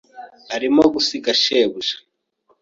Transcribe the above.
Arimo gusiga shebuja.